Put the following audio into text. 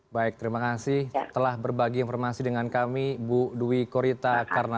baik terima kasih telah berbagi informasi dengan kami bu dwi korita